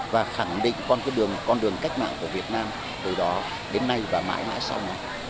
và khẳng định con đường cách mạng của việt nam từ đó đến nay và mãi mãi sau